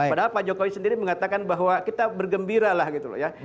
padahal pak jokowi sendiri mengatakan bahwa kita bergembira lah gitu loh ya